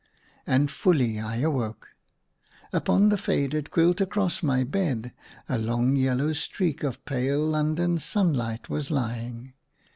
And fully I awoke. Upon the faded quilt, across my bed a long yellow streak of pale London sunlight was lying.